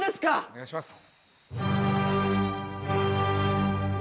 お願いします。